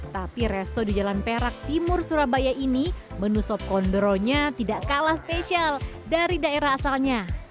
tapi resto di jalan perak timur surabaya ini menu sop kondro nya tidak kalah spesial dari daerah asalnya